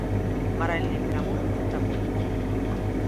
Маральная перамога за табой.